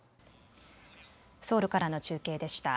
ソウルからの中継でした。